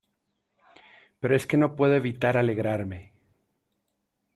pero es que no puedo evitar alegrarme.